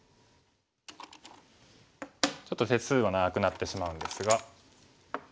ちょっと手数が長くなってしまうんですが。